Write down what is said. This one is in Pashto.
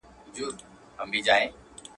چلېدل يې په ښارونو كي حكمونه.